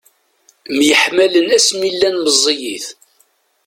Myeḥmmalen asmi llan meẓẓiyit.